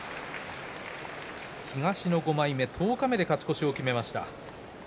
東の５枚目十日目で勝ち越しを決めました。